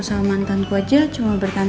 sama mantanku aja cuma bertanding